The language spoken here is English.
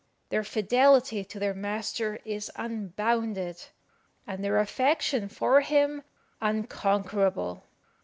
Their fidelity to their master is unbounded, and their affection for him unconquerable.